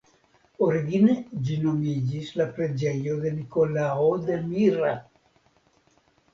Origine ĝi nomiĝis la preĝejo de Nikolao de Mira.